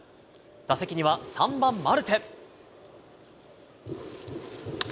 打席には３番マルテ。